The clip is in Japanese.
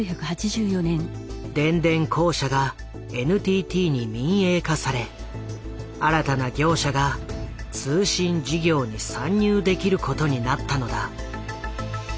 電電公社がＮＴＴに民営化され新たな業者が通信事業に参入できることになったのだ。